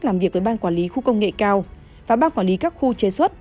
làm việc với ban quản lý khu công nghệ cao và ban quản lý các khu chế xuất